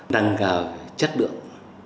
năng cao chất lượng